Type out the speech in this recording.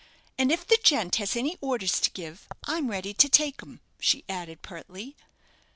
"And if the gent has any orders to give, I'm ready to take 'em," she added, pertly.